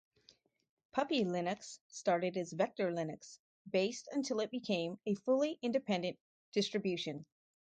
Puppy Linux started as Vector Linux based until it became a fully independent distribution.